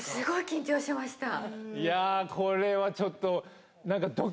これはちょっと。